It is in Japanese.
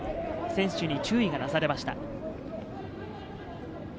選手に注意がなされました。